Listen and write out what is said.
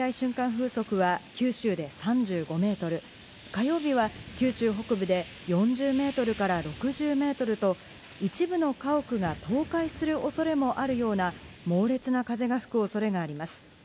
風速は九州で３５メートル、火曜日は九州北部で４０メートルから６０メートルと、一部の家屋が倒壊するおそれもあるような、猛烈な風が吹くおそれがあります。